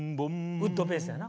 ウッドベースやな。